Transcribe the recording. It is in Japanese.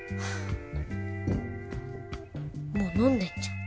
もう飲んでんじゃん。